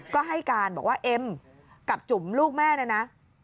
ก็ให้การบอกว่าเอ็มกับจุ๋มลูกแม่เนี่ยนะ